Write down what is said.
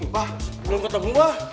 bah belum ketemu mah